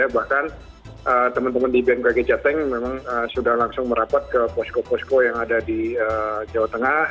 bahkan teman teman di bmkg jateng memang sudah langsung merapat ke posko posko yang ada di jawa tengah